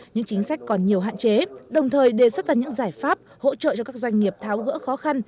những chính sách còn nhiều hạn chế đồng thời đề xuất ra những giải pháp hỗ trợ cho các doanh nghiệp tháo gỡ khó khăn